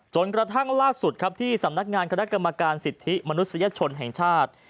จนกระทั่งล่าสุดครับที่สำนักงานคณะกรรมการสิทธิมนุษยชนแห่งชาติ